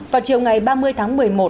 vào chiều ngày ba mươi tháng một mươi một